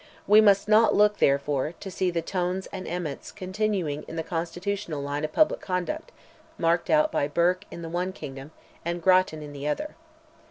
We must not look, therefore, to see the Tones and Emmets continuing in the constitutional line of public conduct marked out by Burke in the one kingdom, and Grattan in the other.